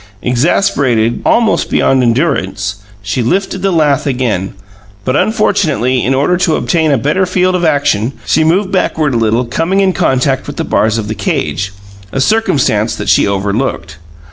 Exasperated almost beyond endurance, she lifted the lath again. But unfortunately, in order to obtain a better field of action, she moved backward a little, coming in contact with the bars of the cage, a circumstance that she overlooked.